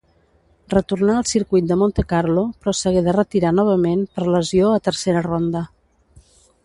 Retornà al circuit a Montecarlo però s'hagué de retirar novament per lesió a tercera ronda.